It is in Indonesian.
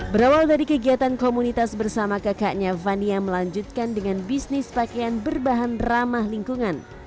berawal dari kegiatan komunitas bersama kakaknya fania melanjutkan dengan bisnis pakaian berbahan ramah lingkungan